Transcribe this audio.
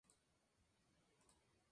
La sede del condado es Boulder.